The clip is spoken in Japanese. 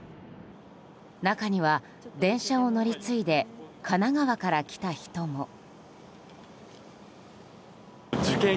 中には電車を乗り継いで神奈川から来た人も。